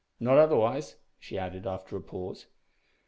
Not otherwise," she added, after a pause.